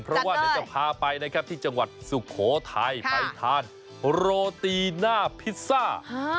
เพราะว่าเดี๋ยวจะพาไปนะครับที่จังหวัดสุโขทัยไปทานโรตีหน้าพิซซ่า